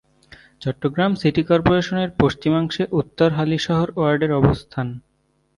Chittagong city কর্পোরেশনের পশ্চিমাংশে উত্তর হালিশহর ওয়ার্ডের অবস্থান।